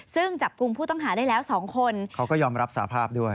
ซึ่งจับกลุ่มผู้ต้องหาได้แล้ว๒คนเขาก็ยอมรับสาภาพด้วย